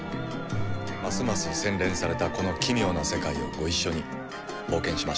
ますます洗練されたこの奇妙な世界をご一緒に冒険しましょう。